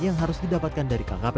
yang harus didapatkan dari kkp